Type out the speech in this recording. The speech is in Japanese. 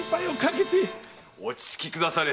落ち着きくだされ。